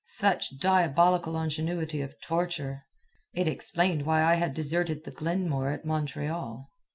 Such diabolical ingenuity of torture! It explained why I had deserted the Glenmore at Montreal.